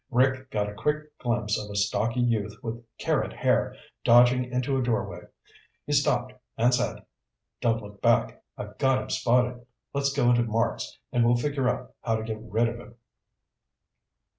Rick got a quick glimpse of a stocky youth with carrot hair dodging into a doorway. He stopped and said, "Don't look back. I've got him spotted. Let's go into Mark's and we'll figure out how to get rid of him."